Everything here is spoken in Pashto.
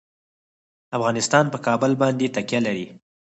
افغانستان په کابل باندې تکیه لري.